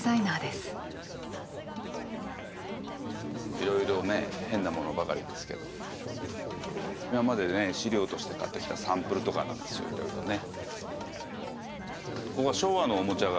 いろいろね変なものばかりですけど今までね資料として買ってきたサンプルとかなんですよいろいろね。